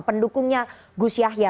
pendukungnya gus yahya